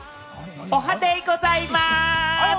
おはデイございます！